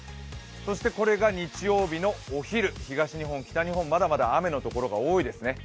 そしてこれが日曜日のお昼、東日本北日本、まだまだ雨の所が多いですね。